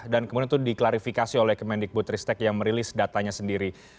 dan kemudian itu diklarifikasi oleh kemendikbutristek yang merilis datanya sendiri